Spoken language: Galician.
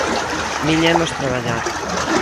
Viñemos traballar.